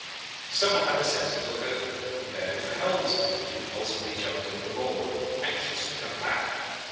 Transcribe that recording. "Someone had the sense to look over, and there was the helmsman, who had impulsively jumped overboard, anxious to come back.